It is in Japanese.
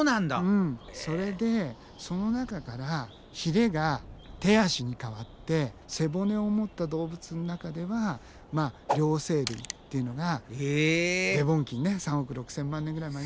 うんそれでその中からヒレが手足に変わって背骨を持った動物の中では両生類っていうのがデボン紀にね３億６，０００万年ぐらい前に。